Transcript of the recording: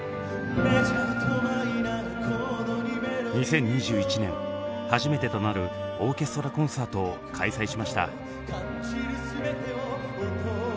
２０２１年初めてとなるオーケストラコンサートを開催しました。